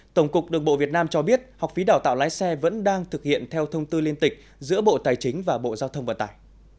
tổng cục đường bộ việt nam cho biết học phí đào tạo lái xe vẫn đang thực hiện theo thông tư liên tịch giữa bộ tài chính và bộ giao thông vận tải